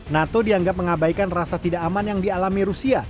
nato dianggap mengabaikan rasa tidak aman yang dialami rusia